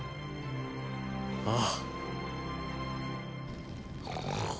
ああ。